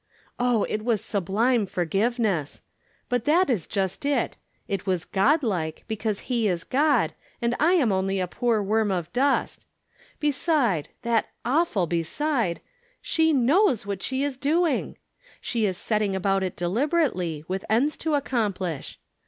Oh, it was sublime forgiveness ! But that is just it. It was God like, because he is God, and I am only a poor worm of dust. Beside — that awful beside — she knows what she is doing. She is setting about it deliberately, with ends to accomplish.